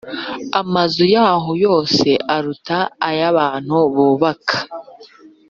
Amazu yaho yose aruta ay’abantu bubaka